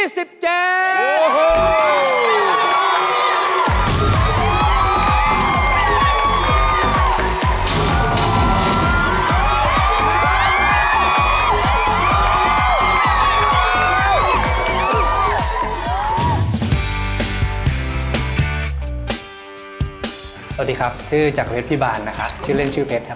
สวัสดีครับชื่อจากเพชรพิบาลนะครับชื่อเล่นชื่อเพชรครับ